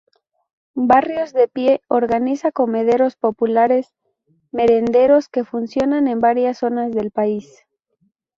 Barrios de Pie organiza comedores populares merenderos que funcionan en varias zonas del país.